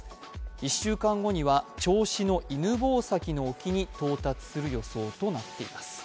１週間後には銚子の犬吠埼の沖に到達する予定になっています。